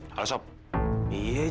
pakai baju yang bagus